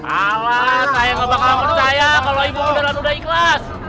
alah saya gak bakalan percaya kalau ibu muda muda ikhlas